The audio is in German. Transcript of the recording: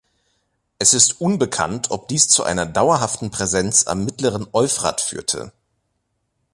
Es ist unbekannt, ob dies zu einer dauerhaften Präsenz am mittleren Euphrat führte.